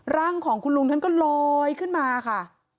ร่างของคุณลุงท่านก็ลอยขึ้นมาค่ะ